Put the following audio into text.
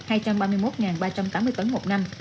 hai trăm ba mươi một ba trăm tám mươi tấn một năm